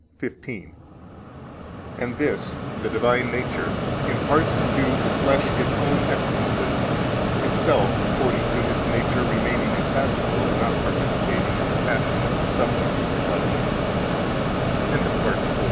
15: "And this (the divine nature) imparts to the flesh its own excellences, itself [according to its nature] remaining impassible and not participating in the passions [sufferings]